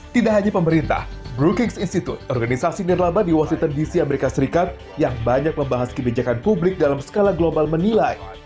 tidak hanya pemerintah brookings institute organisasi nirlaba di washington dc amerika serikat yang banyak membahas kebijakan publik dalam skala global menilai